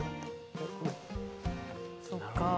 そっかあ。